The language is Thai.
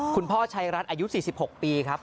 พ่อชัยรัฐอายุ๔๖ปีครับ